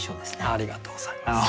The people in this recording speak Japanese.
ありがとうございます。